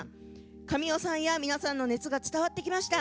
「神尾さんや皆さんの熱が伝わってきました。